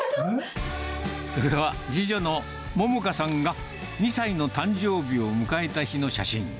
それは次女の桃香さんが２歳の誕生日を迎えた日の写真。